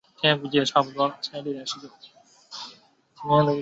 马汉三生于一个富裕农家。